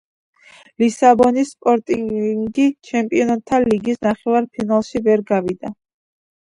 ლისაბონის სპორტინგი ჩემპიონთა ლიგის ნახევარ ფინალში ვერ გავიდა